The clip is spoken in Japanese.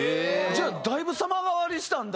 じゃあだいぶ様変わりしたんだ